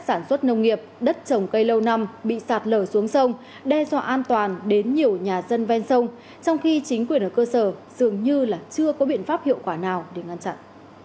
sản xuất nông nghiệp đất trồng cây lâu năm bị sạt lở xuống sông đe dọa an toàn đến nhiều nhà dân ven sông trong khi chính quyền ở cơ sở dường như là chưa có biện pháp hiệu quả nào để ngăn chặn